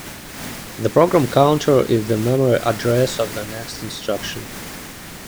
The program counter is the memory address of the next instruction.